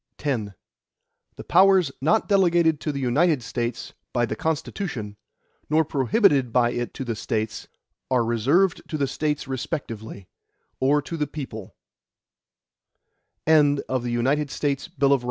X The powers not delegated to the United States by the Constitution, nor prohibited by it to the States, are reserved to the States respectively, or to the people.